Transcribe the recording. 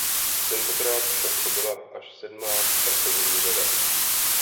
Tentokrát však to byla až sedmá startovní řada.